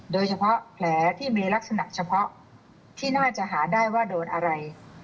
โดยเฉพาะแผลที่มีลักษณะเฉพาะที่น่าจะหาได้ว่าโดนอะไร